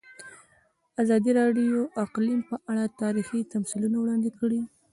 ازادي راډیو د اقلیم په اړه تاریخي تمثیلونه وړاندې کړي.